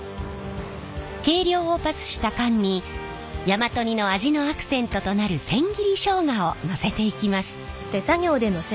計量をパスした缶に大和煮の味のアクセントとなる千切りしょうがをのせていきます。